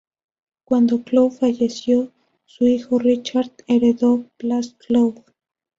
Cuando Clough falleció, su hijo Richard heredó "Plas Clough".